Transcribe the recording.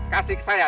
kasih ke saya